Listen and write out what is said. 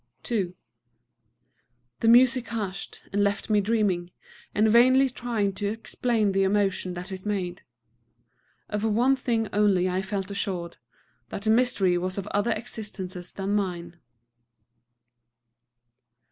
II The music hushed, and left me dreaming, and vainly trying to explain the emotion that it had made. Of one thing only I felt assured, that the mystery was of other existences than mine.